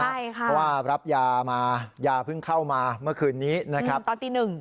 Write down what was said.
เพราะว่ารับยามายาเพิ่งเข้ามาเมื่อคืนนี้นะครับตอนตีหนึ่ง